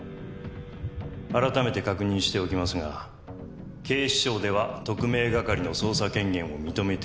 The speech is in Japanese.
改めて確認しておきますが警視庁では特命係の捜査権限を認めていません。